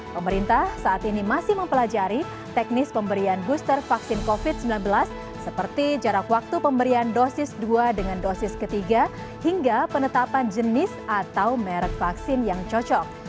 pemerintah saat ini masih mempelajari teknis pemberian booster vaksin covid sembilan belas seperti jarak waktu pemberian dosis dua dengan dosis ketiga hingga penetapan jenis atau merek vaksin yang cocok